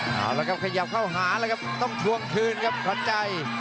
เอาละครับขยับเข้าหาแล้วครับต้องทวงคืนครับขวัญใจ